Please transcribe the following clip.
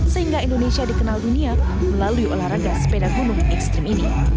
sehingga indonesia dikenal dunia melalui olahraga sepeda gunung ekstrim ini